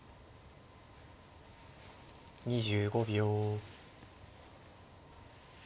２５秒。